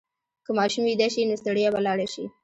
که ماشوم ویده شي، نو ستړیا به لاړه شي.